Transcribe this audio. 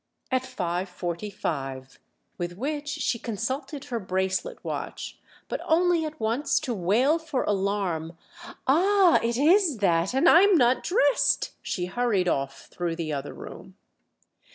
"At five forty five." With which she consulted her bracelet watch, but only at once to wail for alarm. "Ah, it is that, and I'm not dressed!" She hurried off through the other room.